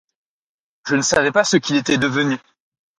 Je ne savais ce qu'il était devenu.